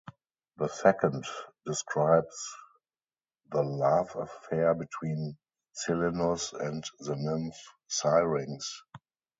The second describes the love affair between Silenus and the nymph Syrinx.